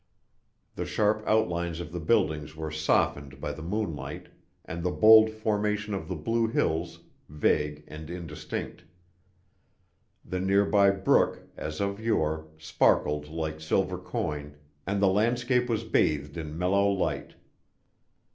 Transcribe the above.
The sharp outlines of the buildings were softened by the moonlight, and the bold formation of the Blue Hills, vague and indistinct. The near by brook, as of yore, sparkled like silver coin, and the landscape was bathed in mellow light.